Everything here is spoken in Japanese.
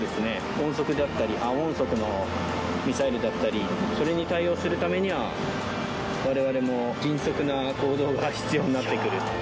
音速だったり、亜音速のミサイルだったり、それに対応するためには、われわれも迅速な行動が必要になってくる。